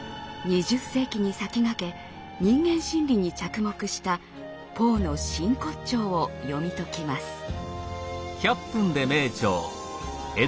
２０世紀に先駆け人間心理に着目したポーの真骨頂を読み解きます。